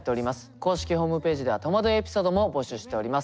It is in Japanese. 公式ホームページでは「とまどいエピソード」も募集しております。